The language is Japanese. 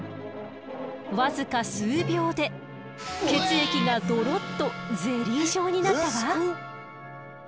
僅か数秒で血液がドロッとゼリー状になったわ！